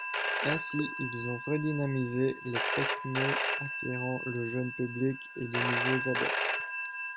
Ainsi, ils ont redynamisé les fest-noz, attirant le jeune public et de nouveaux adeptes.